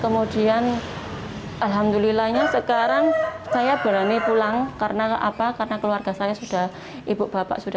kemudian alhamdulillahnya sekarang saya berani pulang karena apa karena keluarga saya sudah ibu bapak sudah